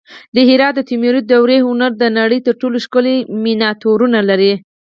د هرات د تیموري دورې هنر د نړۍ تر ټولو ښکلي مینیاتورونه لري